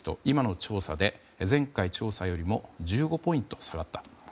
今の調査で前回調査よりも１５ポイント下がったと。